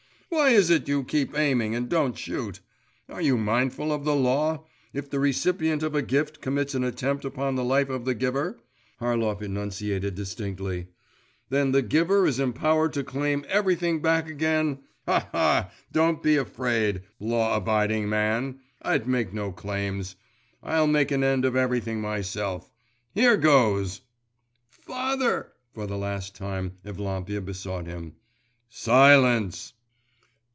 'Why is it you keep aiming and don't shoot? Are you mindful of the law; if the recipient of a gift commits an attempt upon the life of the giver,' Harlov enunciated distinctly, 'then the giver is empowered to claim everything back again? Ha, ha! don't be afraid, law abiding man! I'd make no claims. I'll make an end of everything myself.… Here goes!' 'Father!' for the last time Evlampia besought him. 'Silence!